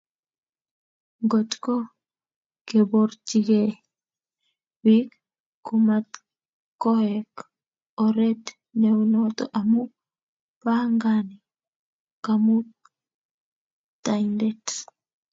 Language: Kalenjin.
Ngotko keborchikei bik komatkoek oret neunoto amu pangani kamuktaindet